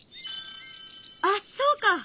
あっそうか！